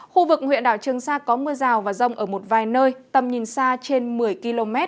khu vực huyện đảo trường sa có mưa rào và rông ở một vài nơi tầm nhìn xa trên một mươi km